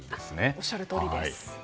おっしゃるとおりです。